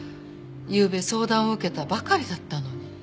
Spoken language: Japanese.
ゆうべ相談を受けたばかりだったのに。